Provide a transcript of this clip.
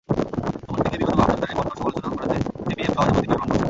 অপরদিকে বিগত বাম সরকারের কঠোর সমালোচনা করাতে সিপিএম সহজে মোদিকে গ্রহণ করছে না।